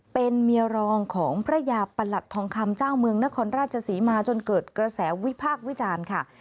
เป็นเมียรองของพระยาประหลัดทองคำเจ้าเมืองนครราชศรีมาจนเกิดกระแสวิพากษ์วิจารณ์ค่ะ